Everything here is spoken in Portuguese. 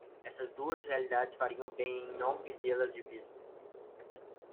Essas duas realidades fariam bem em não perdê-las de vista.